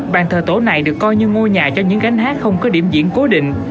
bàn thờ tổ này được coi như ngôi nhà cho những gánh hát không có điểm diễn cố định